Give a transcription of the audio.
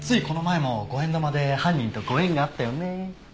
この前も５円玉で犯人とご縁があったよね。